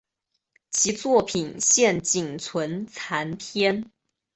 其作品现仅存残篇。